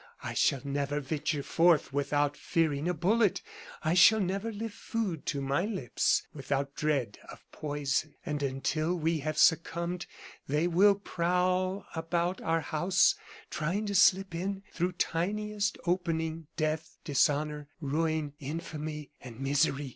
I shall never venture forth without fearing a bullet; I shall never lift food to my lips without dread of poison. And until we have succumbed, they will prowl about our house, trying to slip in through tiniest opening, death, dishonor, ruin, infamy, and misery!